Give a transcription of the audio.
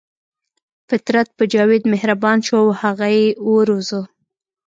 فطرت په جاوید مهربان شو او هغه یې وروزه